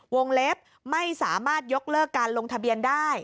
เล็บไม่สามารถยกเลิกการลงทะเบียนได้